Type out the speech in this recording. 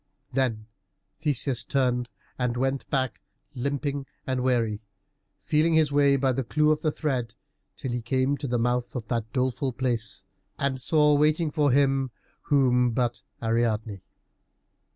Then Theseus turned and went back, limping and weary, feeling his way by the clue of thread, till he came to the mouth of that doleful place, and saw waiting for him whom but Ariadne?